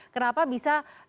kenapa bisa ada gangguan